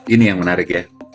ini yang menarik ya